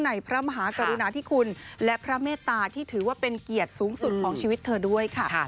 พระมหากรุณาธิคุณและพระเมตตาที่ถือว่าเป็นเกียรติสูงสุดของชีวิตเธอด้วยค่ะ